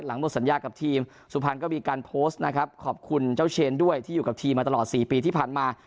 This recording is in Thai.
หมดสัญญากับทีมสุพรรณก็มีการโพสต์นะครับขอบคุณเจ้าเชนด้วยที่อยู่กับทีมมาตลอด๔ปีที่ผ่านมา